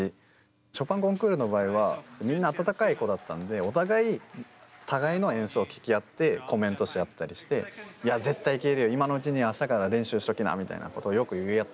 ショパン・コンクールの場合はみんな温かい子だったんでお互い互いの演奏を聴き合ってコメントし合ったりしていやみたいなことをよく言い合って。